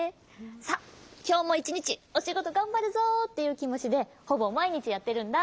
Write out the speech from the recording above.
「さあきょうもいちにちおしごとがんばるぞ」っていうきもちでほぼまいにちやってるんだ。